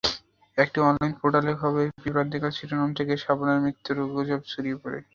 একটি অনলাইন পোর্টালের খবরের বিভ্রান্তিকর শিরোনাম থেকে শাবানার মৃত্যুর গুজব ছড়িয়ে পড়ে।